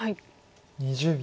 ２０秒。